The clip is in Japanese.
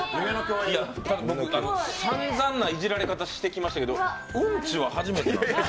僕、さんざんなイジられ方してきましたけど、うんちは初めてや。